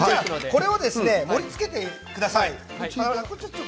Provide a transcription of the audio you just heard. これを盛りつけてください。